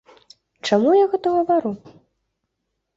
Чаму я гэта гавару?